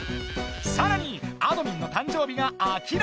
さらにあどミンの誕生日が明らかに！